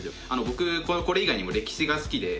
僕これ以外にも歴史が好きで。